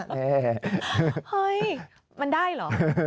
เฮ้ยมันได้เหรอ